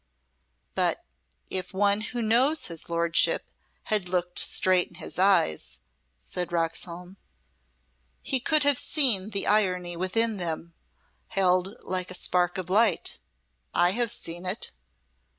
"But if one who knows his Lordship had looked straight in his eyes," said Roxholm, "he could have seen the irony within them held like a spark of light. I have seen it."